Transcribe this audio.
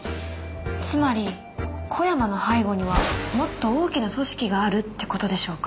つまり小山の背後にはもっと大きな組織があるって事でしょうか？